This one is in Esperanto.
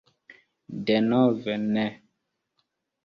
Denove ne!